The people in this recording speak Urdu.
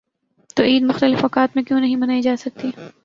تو عید مختلف اوقات میں کیوں نہیں منائی جا سکتی؟